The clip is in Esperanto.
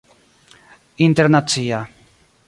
internacia